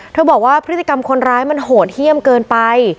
บอกว่าพฤติกรรมคนร้ายมันโหดเยี่ยมเกินไป